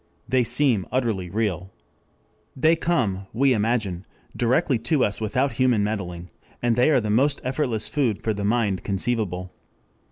They seem utterly real. They come, we imagine, directly to us without human meddling, and they are the most effortless food for the mind conceivable.